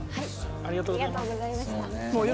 ありがとうございます。